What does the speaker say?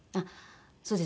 そうです。